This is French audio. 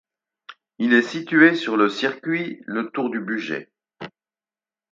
Il situé sur le circuit le tour du Bugey.